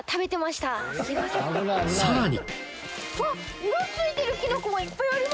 さらに！